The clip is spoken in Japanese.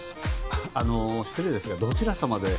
あの失礼ですがどちら様で？